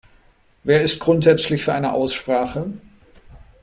Wer ist grundsätzlich für eine Aussprache?